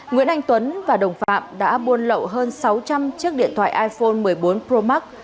nguyễn anh tuấn và đồng phạm đã buôn lậu hơn sáu trăm linh chiếc điện thoại iphone một mươi bốn pro max